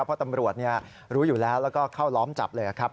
เพราะตำรวจรู้อยู่แล้วแล้วก็เข้าล้อมจับเลยครับ